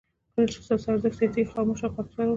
کله چې ستاسو ارزښت زیاتېږي خاموشه او خاکساره اوسه.